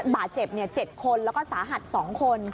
บาดเจ็บ๗คนแล้วก็สาหัส๒คน